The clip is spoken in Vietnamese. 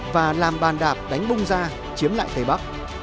và làm bàn đạp đánh bung ra chiếm lại tây bắc